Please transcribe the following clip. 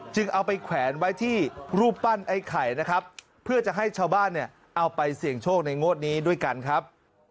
เอาไปแขวนไว้ที่รูปปั้นไอ้ไข่นะครับเพื่อจะให้ชาวบ้านเนี่ยเอาไปเสี่ยงโชคในงวดนี้ด้วยกันครับ